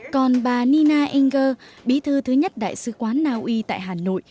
còn bà nina enger bí thư thứ nhất đại sứ quán naui tại hà nội